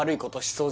そう